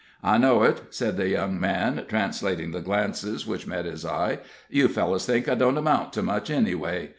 "I know it," said the young man, translating the glances which met his eye. "You fellows think I don't amount to much, anyway.